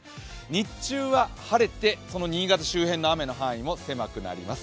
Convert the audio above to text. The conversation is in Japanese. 日中は晴れて新潟周辺の雨の範囲も狭くなります。